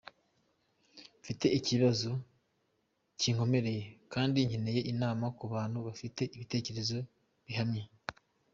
Mfite ikibazo kinkomereye kandi nkeneye inama ku bantu bafite ibitekerezo bihamye.